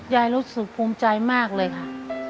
ยายรู้สึกภูมิใจมากเลยค่ะ